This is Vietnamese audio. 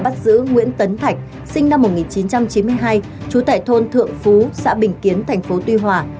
đã bắt giữ nguyễn tấn thạch sinh năm một nghìn chín trăm chín mươi hai chú tại thôn thượng phú xã bình kiến tp tuy hòa